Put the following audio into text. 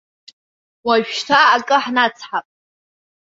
Уажәшьҭа акы ҳнацҳап.